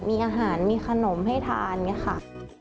มีอาหารมีขนมให้ทานค่ะ